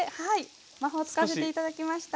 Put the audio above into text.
魔法使わせて頂きましたはい。